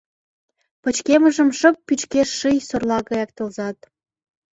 Пычкемышым шып пӱчкеш ший сорла гаяк тылзат.